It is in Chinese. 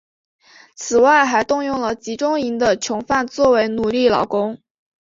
此外还动用了集中营的囚犯作为奴隶劳工。